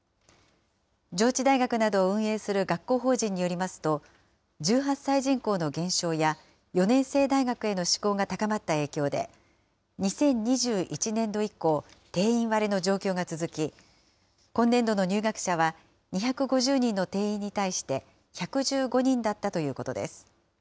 上智大学などを運営する学校法人によりますと、１８歳人口の減少や、４年制大学への志向が高まった影響で、２０２１年度以降、定員割れの状況が続き、今年度の入学者は２５０人の定員に対して、１１５人だったということです。